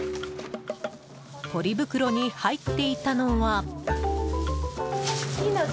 ポリ袋に入っていたのは。